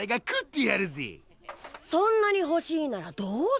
そんなにほしいならどうぞ。